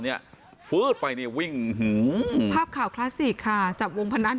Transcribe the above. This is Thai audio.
ฟื๊ดไปเนี่ยวิ่งภาพข่าวคลาสสิกค่ะจับวงพนัน